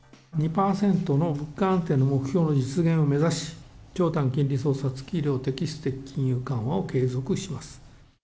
２％の物価安定の目標の実現を目指し、長短金利操作付き量的質的金融緩和を継続します。